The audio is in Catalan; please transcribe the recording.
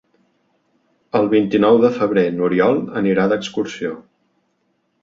El vint-i-nou de febrer n'Oriol anirà d'excursió.